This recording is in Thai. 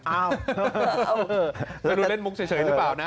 ไม่รู้เล่นมุกเฉยหรือเปล่านะ